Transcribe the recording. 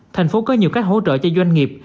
thành phố có nhiều cách hỗ trợ cho doanh nghiệp